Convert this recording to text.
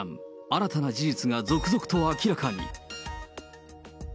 新たな事実が続々と明らかに。